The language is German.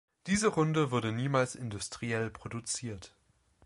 Diese Runde wurde niemals industriell produziert.